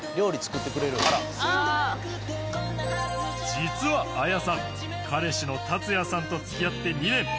実はあやさん彼氏のたつやさんと付き合って２年。